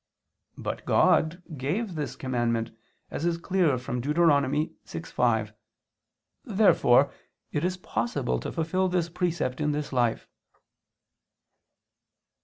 But God gave this commandment, as is clear from Deut. 6:5. Therefore it is possible to fulfil this precept in this life.